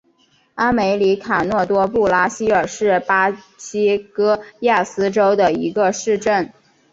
阿梅里卡诺多布拉西尔是巴西戈亚斯州的一个市镇。